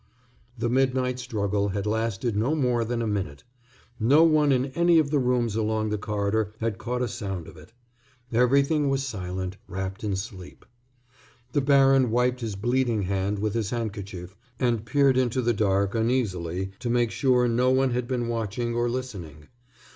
The midnight struggle had lasted no more than a minute. No one in any of the rooms along the corridor had caught a sound of it. Everything was silent, wrapped in sleep. The baron wiped his bleeding hand with his handkerchief and peered into the dark uneasily to make sure no one had been watching or listening.